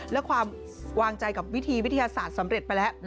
และความวางใจกับวิธีวิทยาศาสตร์สำเร็จไปแล้ว